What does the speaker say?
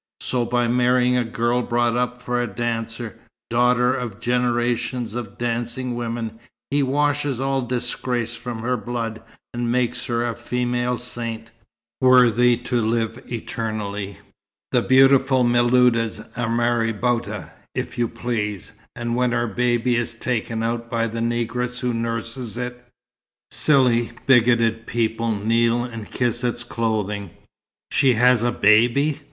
So by marrying a girl brought up for a dancer, daughter of generations of dancing women, he washes all disgrace from her blood, and makes her a female saint, worthy to live eternally. The beautiful Miluda's a marabouta, if you please, and when her baby is taken out by the negress who nurses it, silly, bigoted people kneel and kiss its clothing." "She has a baby!"